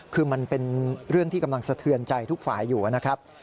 คือมันเป็นเรื่องที่กำลังสะเทือนใจทุกฝ่ายอยู่นะครับ